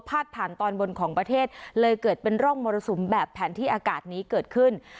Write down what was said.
ผ่านตอนบนของประเทศเลยเกิดเป็นร่องมรสุมแบบแผนที่อากาศนี้เกิดขึ้น